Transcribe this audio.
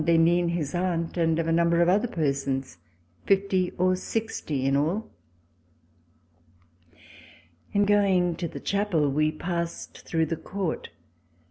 d'Henin, his aunt, and of a number of other persons — fifty or sixty in all. In going to the chapel, we passed through the court.